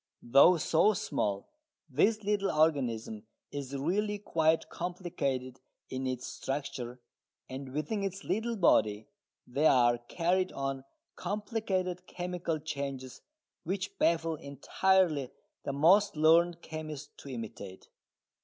Though so small, this little organism is really quite complicated in its structure, and within its little body there are carried on complicated chemical changes which baffle entirely the most learned chemist to imitate.